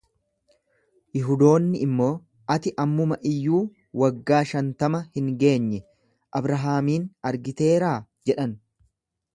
Yihudoonni immoo, Ati ammuma iyyuu waggaa shantama hin geenye, Abrahaamin argiteeraa? jedhan.